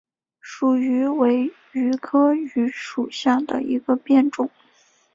蜀榆为榆科榆属下的一个变种。